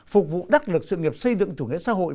phục vụ đắc lực sự nghiệp xây dựng chủ nghĩa xã hội